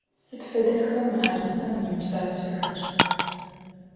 Sıd fedexa mı'erısem yipç'aşsexer?